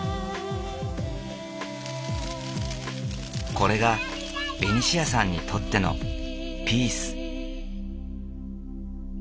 これがベニシアさんにとってのピース。